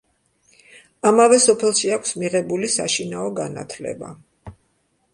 ამავე სოფელში აქვს მიღებული საშინაო განათლება.